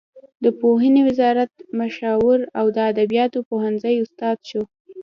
د پوهنې وزارت مشاور او د ادبیاتو پوهنځي استاد شو.